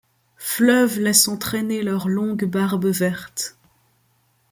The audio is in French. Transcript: Fleuves laissant traîner leurs longues barbes vertes